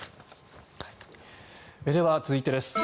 では、続いてです。